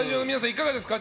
いかがですか。